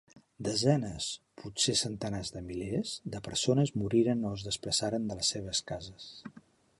Desenes, potser centenars de milers, de persones moriren o es desplaçaren de les seves cases.